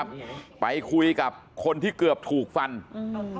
มันต้องการมาหาเรื่องมันจะมาแทงนะ